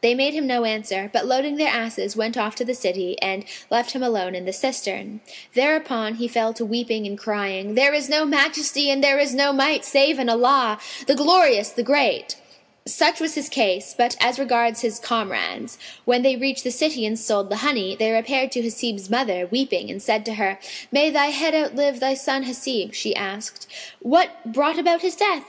They made him no answer; but, loading their asses, went off to the city and left him alone in the cistern. Thereupon he fell to weeping and crying, "There is no Majesty and there is no Might save in Allah, the Glorious, the Great!" Such was his case; but as regards his comrades, when they reached the city and sold the honey, they repaired to Hasib's mother, weeping, and said to her, "May thy head outlive thy son Hasib!" She asked, "What brought about his death?"